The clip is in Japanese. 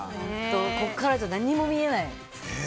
ここからじゃ何も見えない。